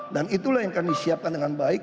dan itulah yang kami siapkan dengan baik